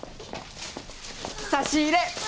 差し入れ！